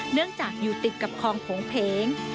เนื่องจากอยู่ติดกับคลองโผงเพง